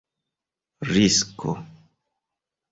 risko